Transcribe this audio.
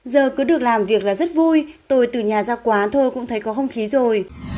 giờ cứ được làm việc là rất vui tôi từ nhà ra quá thôi cũng thấy có không khí rồi